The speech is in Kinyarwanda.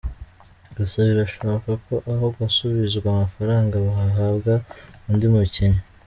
Gusa birashoboka ko aho gusubizwa amafaranga bahabwa undi mukinnyi.